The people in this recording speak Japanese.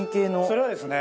それはですね